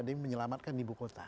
demi menyelamatkan ibu kota